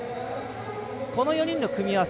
この４人の組み合わせ